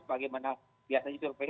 bagaimana biasanya sdp